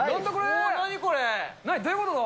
何これ？